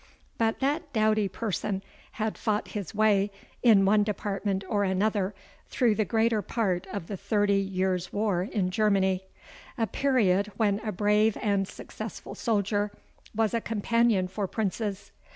But that doughty person had fought his way, in one department or another, through the greater part of the Thirty Years' War in Germany, a period when a brave and successful soldier was a companion for princes.